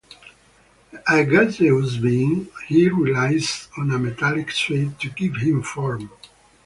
A gaseous being, he relies on a metallic suit to give him form.